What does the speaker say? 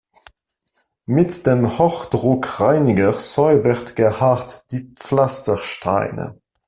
Mit dem Hochdruckreiniger säubert Gerhard die Pflastersteine.